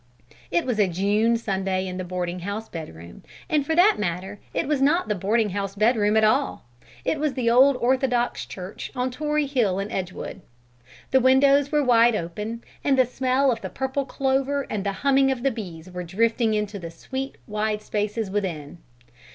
It was a June Sunday in the boarding house bedroom; and for that matter it was not the boarding house bedroom at all: it was the old Orthodox church on Tory Hill in Edgewood. The windows were wide open, and the smell of the purple clover and the humming of the bees were drifting into the sweet, wide spaces within.